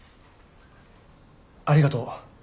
ありがとう。